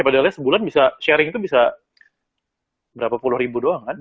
padahalnya sebulan bisa sharing itu bisa berapa puluh ribu doang kan